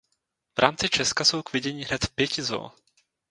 V rámci Česka jsou k vidění hned v pěti zoo.